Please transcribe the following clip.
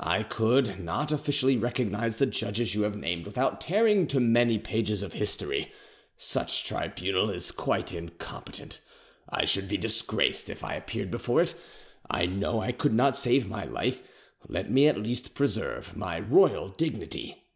"I could, not officially recognise the judges you have named without tearing too many pages of history. Such tribunal is quite incompetent; I should be disgraced if I appeared before it. I know I could not save my life, let me at least preserve my royal dignity."